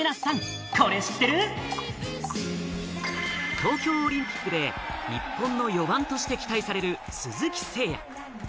東京オリンピックで日本の４番として期待される鈴木誠也。